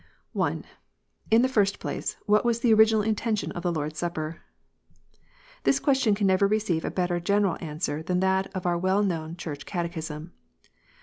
I. In the first place, what ivas the original intention of the Lord s Supper ? This question can never receive a better general answer than that of our well known Church Catechism.